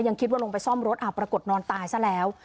คิดว่าลงไปซ่อมรถปรากฏนอนตายซะแล้ว